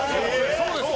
そうです！